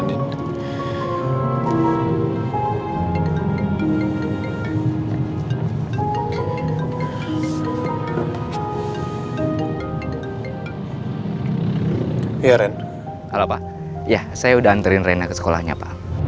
iya ren halo pak ya saya udah anterin rena ke sekolahnya pak